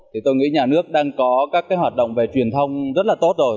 thì tôi nghĩ nhà nước đang có các cái hoạt động về truyền thông rất là tốt rồi